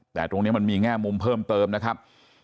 แต่ตรงนี้มันมีแง่มุมเพิ่มเติมนะครับ